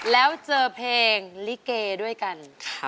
แล้วเจอเพลงลิเกด้วยกัน